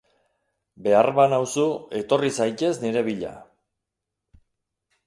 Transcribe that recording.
Behar banauzu, etor zaitez nire bila.